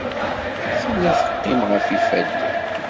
Tella teqqim ɣef yifadden.